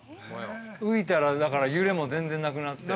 ◆浮いたら揺れも全然なくなって。